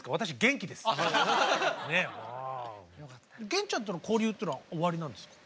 源ちゃんとの交流っていうのはおありなんですか？